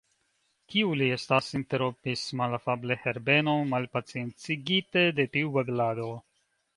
Kiu li estas? interrompis malafable Herbeno, malpaciencigite de tiu babilado.